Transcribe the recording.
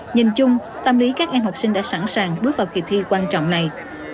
nhìn chung tâm lý các em học sinh đã sẵn sàng bước vào kỳ thi quan trọng này